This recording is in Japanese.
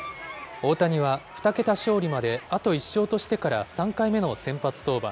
大谷は２桁勝利まであと１勝としてから３回目の先発登板。